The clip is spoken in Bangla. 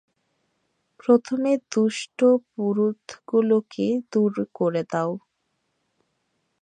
প্রথমে দুষ্ট পুরুতগুলোকে দূর করে দাও।